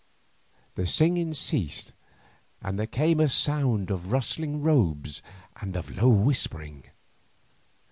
The singing ceased and there came a sound of rustling robes and of low whispering.